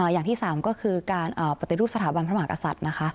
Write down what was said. อย่างที่๓ก็คือการปฏิรูปสถาบันพระมหากษัตริย์นะคะ